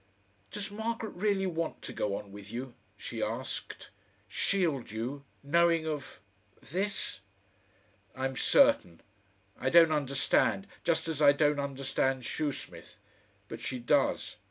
"Does Margaret really want to go on with you?" she asked "shield you knowing of... THIS?" "I'm certain. I don't understand just as I don't understand Shoesmith, but she does.